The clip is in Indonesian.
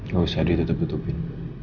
gak usah ditutup tutupin